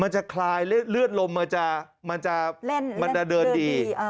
จะคลายเลือดลมมันจะเดินดี